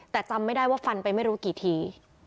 แต่จำไม่ได้ว่าฟันไปไม่รู้กี่ที